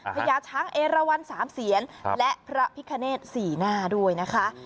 พระยาช้างเอรวรรณสามเศียรและพระพิฆาเนตสี่หน้าด้วยนะคะ